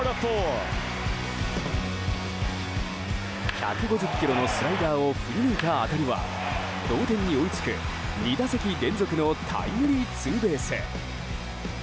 １５０キロのスライダーを振り抜いた当たりは同点に追いつく、２打席連続のタイムリーツーベース。